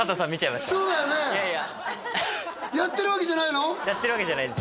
いやいややってるわけじゃないの？